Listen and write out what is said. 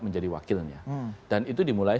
menjadi wakilnya dan itu dimulai